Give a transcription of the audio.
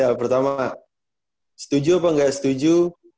ya pertama setuju apa enggak setuju